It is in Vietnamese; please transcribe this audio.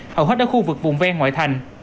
hầu hết ở khu vực vùng ven ngoại thành